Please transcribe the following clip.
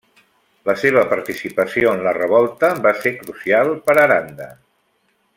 La seva participació en la revolta va ser crucial per a Aranda.